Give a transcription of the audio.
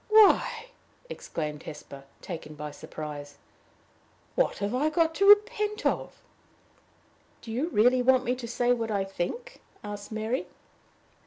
"Why!" exclaimed Hesper, taken by surprise, "what have I got to repent of?" "Do you really want me to say what I think?" asked Mary.